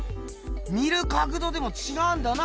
見る角度でもちがうんだな。